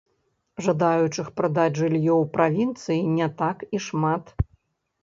Жадаючых прадаць жыллё ў правінцыі не так і шмат.